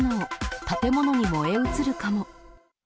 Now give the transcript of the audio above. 建物に燃え移るかも。